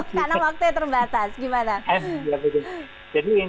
karena waktunya terbatas